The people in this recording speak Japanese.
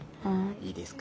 いいですか？